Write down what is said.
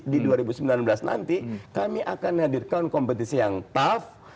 kita akan hadirkan kompetisi yang tough